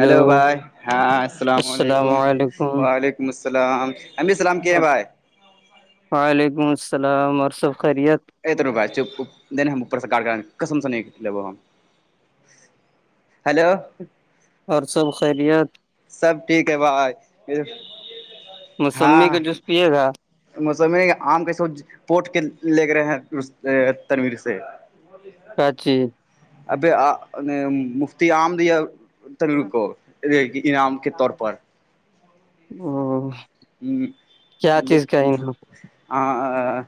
Hello بھائی ہاں السلام علیکم وعلیکم السلام حمی سلام کے ہیں اور بھائی [unintelligible] وعلیکم السلام عرسب خیریت [unintelligible] اتر ر ب نہیں ہم اوپر سے کاارٹ کر کسم سے نہیں ل لیب ہم [unintelligible] ہیلو اور سب خیریت سب ٹھیک ہے بھائی ہاں یہ گا موسم آم کی سو پوٹ کے لےگ رہے ہیں تنیر سے [unintelligible] وہ بھی کاچی ابھی مفتی آم دیا تل کو انعام کے طور پر او کیا چیز کا ہے نا؟ [unintelligible] ہ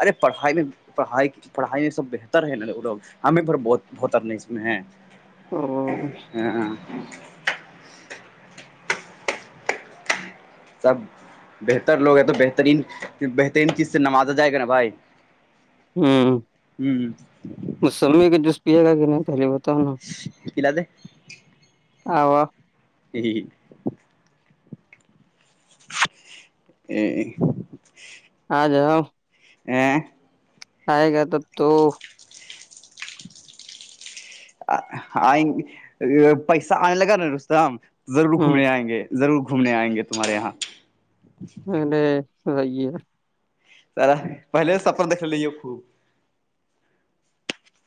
ارے پڑھائی میں پڑھائی پڑھائی میں سب بہتر ہے نا لوگ ہمیں پر بہتر نہیں اس میں ہے او ہ ہ [unintelligible] سب بہتر لوگ ہیں تو بہترین بہترین چیز سے نوازا جائے گا نا بھائی ہوں موسممی کا جوس پیے گا کہ نہیں پہلے بتاؤ نا ہلااد آو جی [inaudible] [inaudible] ہ جا ہ [unintelligible] آئے گا تب تو آئیں پیسہ آنے لگا نا رست ہم ضرور ہوں گھومنے آئیں گے ضرور گھومنے آئیں گے تمہارے یہاں [unintelligible] سارا پہلے سے اپ د لیی خوب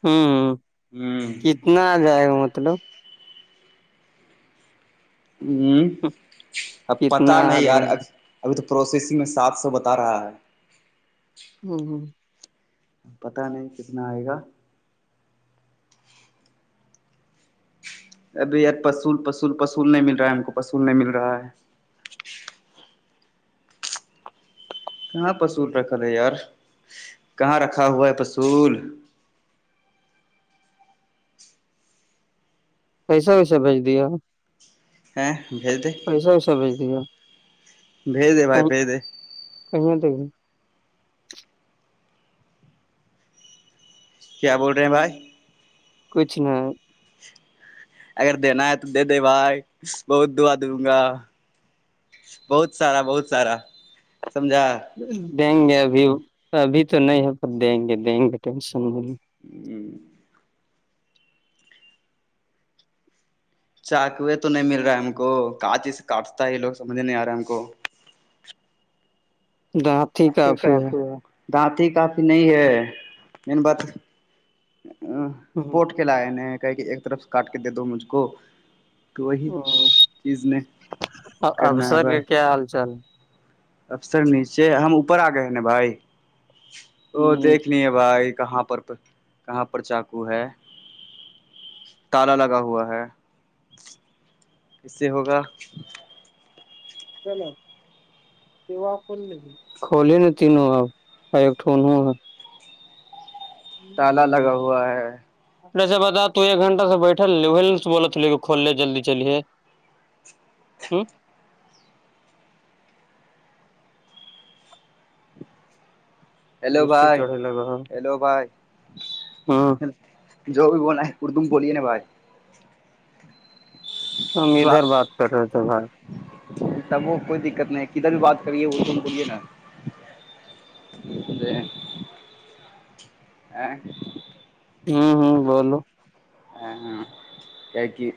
ہمم ہ کتنا جائے گا مطلب ہمم ہوں، اب پتہ کتنا آ نہیں یار جائے اب گا ابھی تو پروسیسنگ میں سات سو بتا رہا ہے ہمم ہمم پتا نہیں کتنا آئے گا ابھی یار پسل پل پول نہیں مل رہا ہے ہم کو پسول نہیں مل رہا ہے کہاں پشل رکھل ہے یار کہاں رکھا ہوا ہے پسل کییسا ویسا بھیج دیا ہاں بھیج دیں پیسہ ویسا بھیج دیا بھیج دے بھائی کہیں بھیج دے [unintelligible] کیا بول رہے ہیں بھائی کچ نہ اگر دینا ہے تو دے دے بھائی بہت دعا دوں گا بہت سارا بہت سارا سمجھا دیں گے ابھی ابھی تو نہیں ہے پر دیں گے دیں گے ٹینشن نہیں جی چاکوے تو نہیں مل رہا ہے ہم کو کاانچی سے کاٹتا ہے یہ لوگ سمجھ نہیں آ رہا ہے ہم کو دا د کافی ہے دانتی کافی نہیں ہےان بات اپورٹ کے لائے نے کہ کہ ایک طرف سے کاٹ کے دے دو مجھ کو تو وہی چیز نے کرنا ہے ابسر ب کا ہے کیا حال چال افسر نیچے ہم اوپر آ گئے ہیں نا بھائی تو ہے؟ دیکھنی ہے بھائی کہاں پر پ کہاں پر چاقو ہے تالا لگا ہوا ہے اس سے ہوگا چلو کولی تینوں آ ایکٹھون ہو تالا لگا ہوا ہے سا بتا تو ایک گھنٹہ سے بیٹھل بے کول لے جلدی چلیے ہوں ہیلو غصے بھائی چڑھے لگا ہیلو بھائی ہوں جو بھی بولنا ہے اردو میں بولیے نا بھائی ہم تھوڑا ادھر بات کر رہے تھے بھائی تب وہ کوئی دقت نہیں کدھر بھی بات کری ہے وہ تو ہم بولیے نا [unintelligible] ہمم ہمم بولو ہمم ہمم کی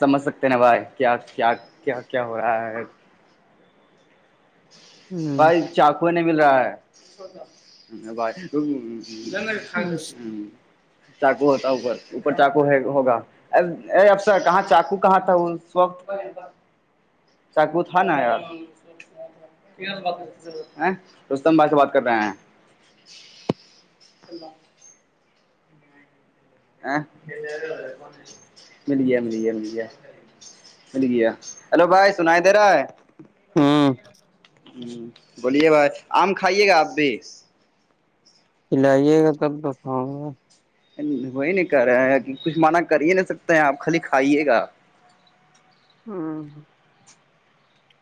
سمجھ سکتے ہیں نا بھائی کیا کیا کیا کیا ہو رہا ہے ہ بائی چقو نہیں مل رہا ہے چاقو ہوتا اوپر اوپر چاقو ہوگا اے افسر کہاں چاقو کہاں تھا وقت سو تھا نا یار بھائی سے بات کر رہے ہیں آاں مل گیا مل گیا مل گیا مل گیا ہلو بھائی سنا ہے دے رہا ہے ہاں بولیے بھائی آم کھائیے گا آپ بھی چلائیے گا کب تک آؤں گا وہی نہیں کہہ رہے ہیں کہ کچھ مانع کر ہی نہیں سکتے ہیں آپ خالی کھائیے گا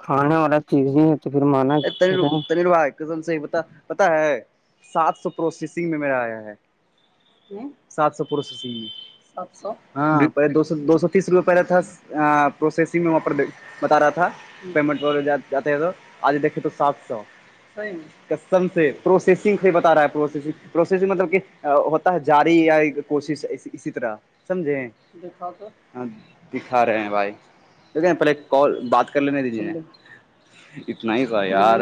کھانے والا چیز ہی پھر مانا ہلو تل بھائی قسم صحی پتا ہے سات سو پروسیسنگ میں میرا آیا ہے سات سو پوسو س سات سو ہاں پہلے دو سو دو سو تیس روپے پہلاے تھا پروسیسنگ میں وہاں پر بتا رہا تھا پمٹ جات آج دے تو صاف کسٹم سے پروسیسنگ سے بتا رہا ہے پروسیسنگ پروسیسنگ مطلب کہ ہوتا ہے جاری یا کوشش اسی طرح سمجھے دکھا رہے ہیں بھائی دیکھ پہلے کال بات کر لین دیجی اتنا ہی تھا یار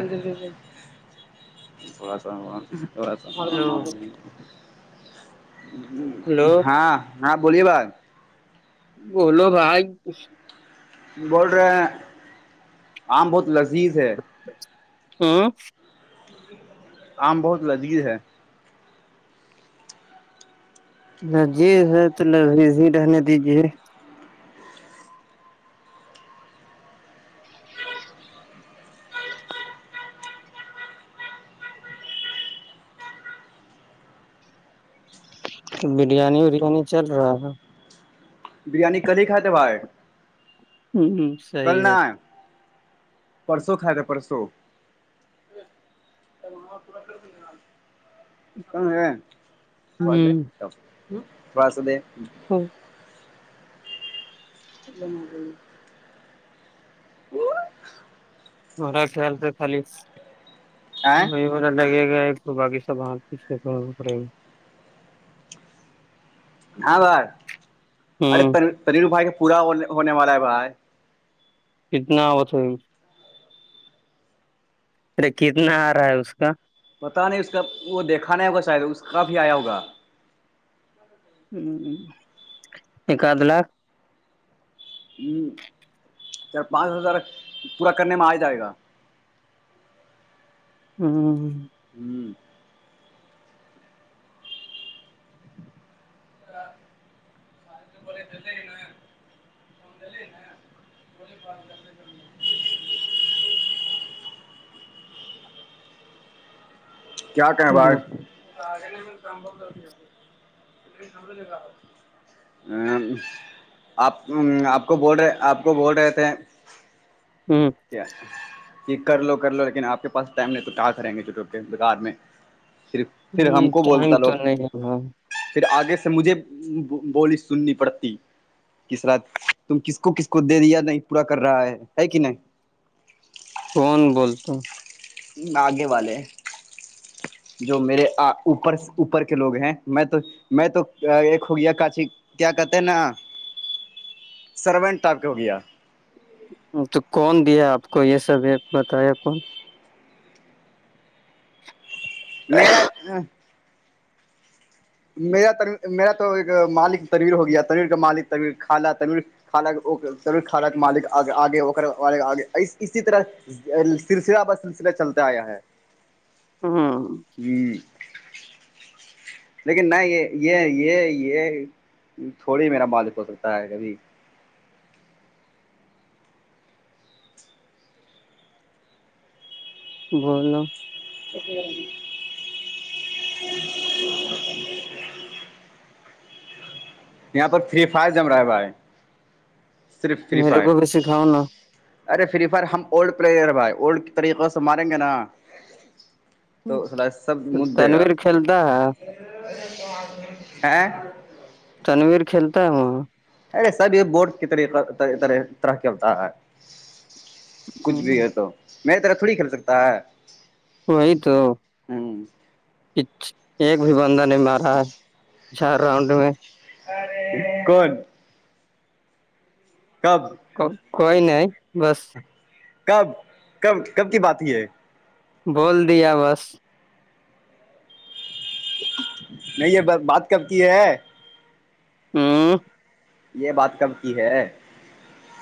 بس اورا سفار میں معلی ہلو ہاں ہاں بولیے بھائی بولو بھائی بول رہے ہیں آم بہت لذیذ ہے ہاں آم بہت لذیذ ہے لذیذ ہے تو لیذ ہی رہنے دیجیے بریانی اریانی چل رہا ہے بریانی کدھی کھات تھے بھائیر ہ ہ صحیح ہے آئے پرسوں کھائے تھا پرسوں [inaudible] ہ فس دفس دے ہاں لگا لری مرا خیال سے خالی لگے گا ایک تو باقی سب ہے گا ہاں بھائی ہ ارے ترین بھائی کا پورا ہونے والا ہے بھائی کتنا ہوت ارے کتنا آ رہا ہے اس کا پتاہ نہیں اس کا وہ دیکھا نہیں ہوگا شاید اس کاب ہی آیا ہوگا ایک آد لاکھ ہ چ پانچ ہزار پورا کرنے میں آ جائے گا ہاں ہوں ا سال تو بولے دل ہی نا ف دل نا [inaudible] کیا کہیں بائی آپ آپ کو بول رہے آپ کو بول رہے تھے ہوں کیا یہ کر لو کر لو لیکن آپ کے پاس ٹائم نہیں تو کہاں کریں گے چ بار میں صرف ہ ٹائم تو نہیں ہےاں پھر آگے سے مجھے بولی سننی پڑتی کس رات تم کس کو کس کو دے دیا نہیں پورا کر رہا ہے ہے کہ نہیں کون بولتا آگے والے جو میرے اوپر اوپر کے لوگ ہیں میں تو میں تو ایک ہو گیا کاچی کیا کہتے ہیں نا سرونٹ آپ کے ہو گیا تو کون دیا آپ کو یہ سب ہے بتایا کون میلا ہ میرا میرا تو ایک مالک تنویر ہو گیا ترییر کا مالک طویر خالا تنیر خانہ رور خھانا مالک آگےگ اسی طرح سلسلہ بس سلسلہ چلتا آیا ہے ہاں جی لیکن نہ یہ یہ یہ یہ تھوڑی میرا مالک ہو سکتا ہے کبھی بولو شکریہی یہاں پر فری فائر جم رہا ہے بھائی صرف فری میرے فائر کو بھی سکھاؤ نا ارے فری فر ہم اولڈ پلیئر ہیں بھائی اولڈ طریقے سے ماریں گے نا تو سر سب مددے گا تنویر کھیلتا ہے ا تنویر کھیلتا ہے وہ ارے سب یہ بورڈ کی طریقرح طرح کیا ہوتا ہے کچھ بھی ہاں ہے تو میرری طرح تھوڑی کرل سکتا ہے وہی تو ہ ایک بھی بندہ نہیں مار رہا ہے چار راؤنڈ میں کون کب کوئی نہیں بس کب کب کب کی بات ہی ہے بول دیا بس نہیں یہ بات کب کی ہے ہوں یہ بات کم کی ہے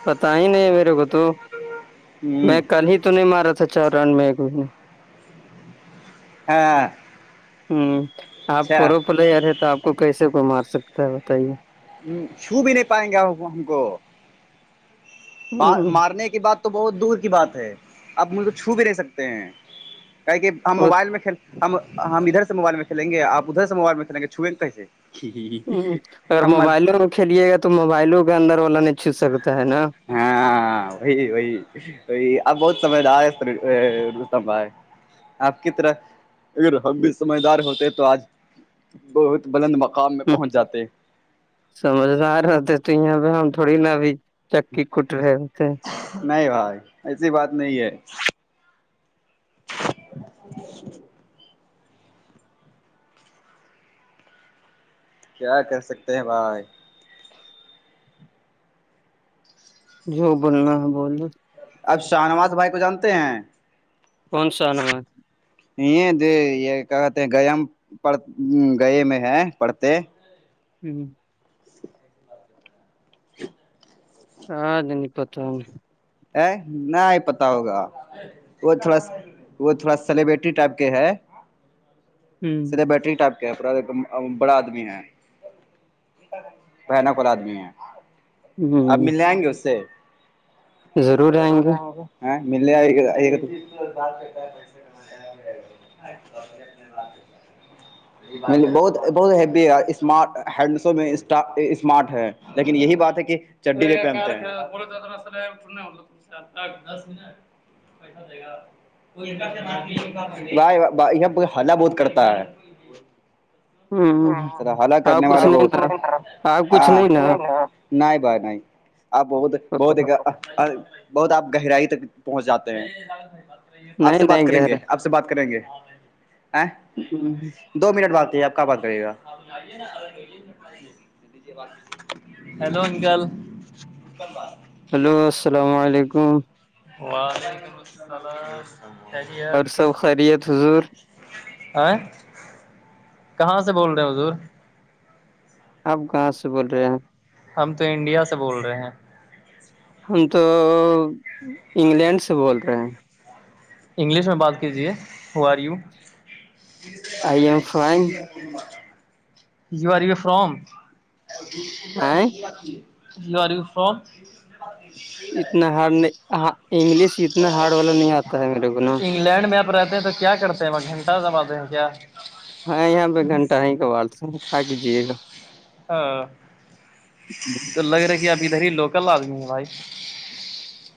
پتا ہی نہیں میرے کو تو ہ میں کل ہی تو نہیں مارا تھا چار رن میں ہاں ہوں آپ اچھا پروپلیئر ہے تو آپ کو کیسے کوئی مار سکتا ہے بتائیے ہ چھو بھی نہیں پائیں گے ہم کو بات ہوں مارنے کی بات تو بہت دور کی بات ہے آپ مجھ کو چھو بھی رہ سکتے ہیں کہے کہ ہم وہ موبائل میں کل ہم ادھر سے موبائل میں کھیلیں گے آپ ادھر سے موبائل میں کھیل گے چھوئ گے کیسے ہ اگر ہم موبائلوں میں کھیلیے گا تو موبائلوں کا اندر والا نہیں چھو سکتا ہے نا ہاں وہی وہی اب بہت سمجھدار ہے ط ر ہے آپ کی طرح اگر ہم بھی سمجھدار ہوتے تو آج بہت بلند مقام میں پہنچ جاتے سمجدار ہوتے تو یہاں پہ ہم تھوڑی نا ابھی چکی کٹ رہے ہوتے نہیں بھائی ایسی بات نہیں ہے کیا کر سکتے ہیں بھائی جو بولنا ہے بول اب شاہ نواز بھائی کو جانتے ہیں کون سا آ نما یہ د یہ کیا کہتے ہیں گیا پڑ گئے میں ہے پڑھتے ہوں [inaudible] ہاں جن تو نہ ہی پتا ہوگا وہ تھوڑا وہ تھوڑا سلیبریٹی ٹائپ کے ہے صھے بیٹری ٹائپ ایک بڑا آدمی ہے بانک والا آدمی ہے اب مل جائیں گے اس سے ضرور آئیں گے ہاں مل توتنے لگے بہت بہت ہیی ہےینڈ اسمارٹ ہے لیکن یہی بات ہے کہ چڈی رے پہمتے [inaudible] یہ حلا بہت کرتا ہے ہ حلا آپ کرنے کچھ والے نہیں نا آپ کچھ نہیں نا بہتاں نہیں بائی نہیں آپ بہت بہت ایک نہیں بہت آپ گہرائی تک پہنچ جاتے ہیں آپ سے بات نہیں کریں گہرا گے آپ سے بات کریں گے دو منٹ بات ہے آپ کا بات کرے گا ہیلو انکال ہلو السلام علیکم اور سب خیریت حضور وعسیکم آ کہاں سے بول رہے حضور آپ کہاں سے بول رہے ہیں ہم تو انڈیا سے بول رہے ہیں ہم تو انگلینڈ سے بول رہے ہیں انگلش میں بات کیجیے how are you I am fine you are way from آئ [unintelligible] ہ انگلش اتنا ہارڈ والا نہیں آتا ہے میرے کو تو نا انگلینڈ میں آپ رہتے ہیں تو کیا کرتے ہیں وہ گھنٹہ زباتے ہیں کیا ہاں یہاں پہ گھنٹہ ہی کوالتے ہیں کھا کیجیے گا ہاں گا تو لگ رہا کہ اب ادھر ہی لوکل آدمی ہیں بھائی